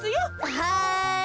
はい！